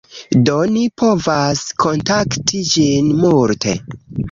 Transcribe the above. Do ni provas kontakti ĝin multe